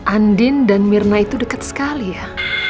andin dan mirna itu dekat sekali ya